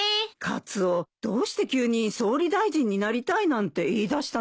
カツオどうして急に総理大臣になりたいなんて言いだしたのかしら。